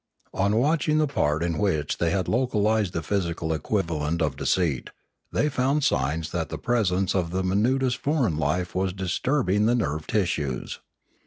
On watching the part in which they had localised the physical equivalent of deceit, they found signs that the presence of the minutest foreign life was disturbing the nerve tissues.